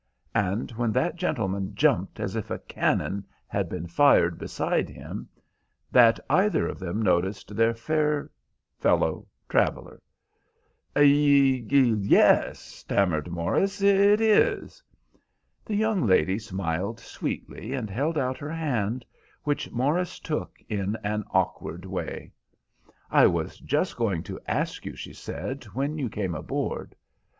and when that gentleman jumped as if a cannon had been fired beside him, that either of them noticed their fair fellow traveller. "Y—es," stammered Morris, "it is!" The young lady smiled sweetly and held out her hand, which Morris took in an awkward way. "I was just going to ask you," she said, "when you came aboard.